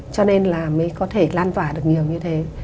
cho nên là mới có thể lan tỏa được nhiều như thế